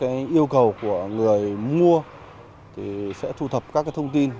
theo yêu cầu của người mua sẽ thu thập các thông tin